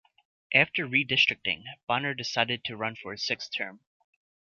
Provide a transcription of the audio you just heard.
After redistricting, Bonner decided to run for a sixth term.